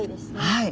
はい。